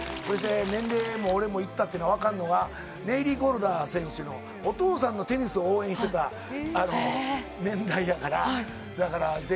年齢も俺もいったって分かるのがネリー・コルダ選手のお父さんのテニスを応援していた年代やから。